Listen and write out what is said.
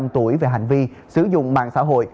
hai mươi năm tuổi về hành vi sử dụng mạng xã hội